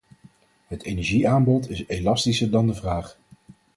Het energieaanbod is elastischer dan de vraag.